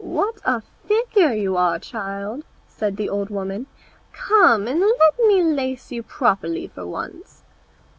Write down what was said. "What a figure you are, child!" said the old woman, "come and let me lace you properly for once."